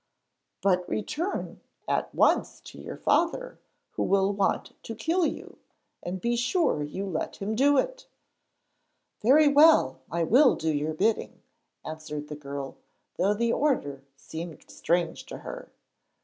'But return at once to your father who will want to kill you; and be sure you let him do it.' 'Very well, I will do your bidding,' answered the girl, though the order seemed strange to her.